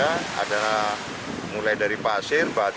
mulai dari pasir kemudian kembali ke perairan selat bali